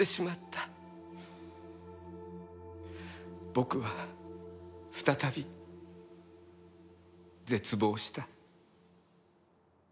僕は再び絶望した。